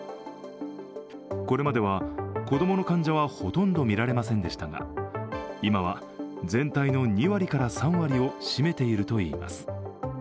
これまでは、子供の患者はほとんど見られませんでしたが今は全体の２割から３割を占めているといいます。